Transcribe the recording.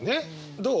どう？